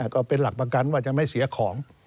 ก็เป็นหลักประกันว่าจะไม่เสียของ